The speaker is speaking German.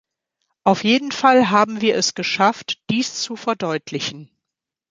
Auf jeden Fall haben wir es geschafft, dies zu verdeutlichen.